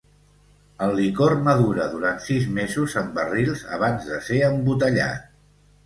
El licor madura durant sis mesos en barrils abans de ser embotellat.